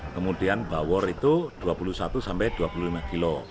kemudian bawor itu dua puluh satu sampai dua puluh lima kg